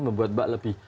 membuat mbak lebih